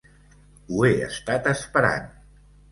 Ho he estat esperant.